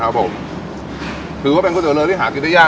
ครับผมถือว่าเป็นก๋วเรือที่หากินได้ยาก